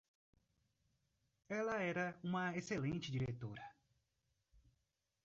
Ela era uma excelente diretora